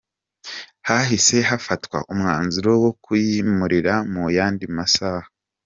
Hahise hafatwa umwanzuro wo kuyimurira mu yandi masaha.